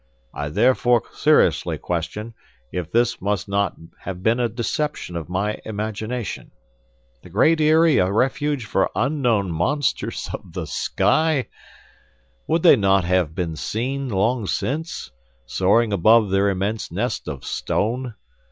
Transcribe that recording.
I therefore seriously question, if this must not have been a deception of my imagination. The Great Eyrie a refuge for unknown monsters of the sky! Would they not have been seen long since, soaring above their immense nest of stone?